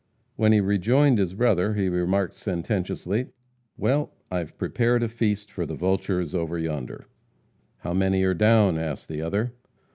When he rejoined his brother he remarked sententiously, "Well, I've prepared a feast for the vultures over yonder." "How many are down?" asked the other.